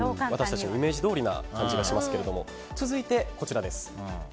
私たちのイメージどおりな感じがしますけども続いて、こちら。